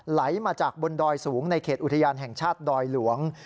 ไหลมาจากบนดอยสูงในเขตอุทยานแห่งชาติดอยหลวง